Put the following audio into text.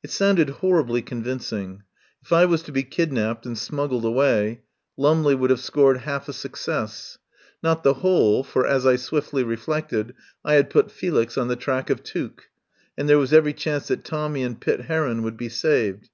It sounded horribly convincing. If I was to be kidnapped and smuggled away Lumley would have scored half a success. Not the whole, for, as I swiftly reflected, I had put Felix on the track of Tuke, and there was every chance that Tommy and Pitt Heron would be saved.